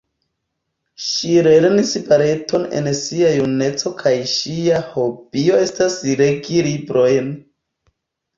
Ŝi lernis baleton en sia juneco kaj ŝia hobio estas legi librojn.